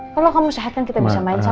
kalau kamu sehat kan kita bisa main sama